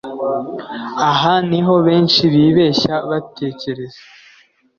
Aha ni ho benshi bibeshya, batekereza